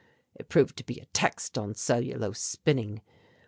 It proved to be a text on cellulose spinning.